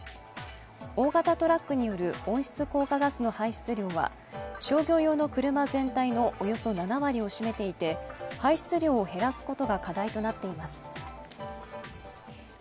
大型トラックによる温室効果ガスの排出量は商業用の車全体のおよそ７割を占めていて、排出量を減らすことが課題となっています。